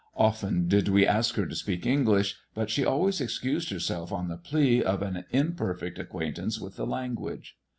Often did we ask her to speak English ; but she always excused herself on the plea of an imperfect acquaintance with the language.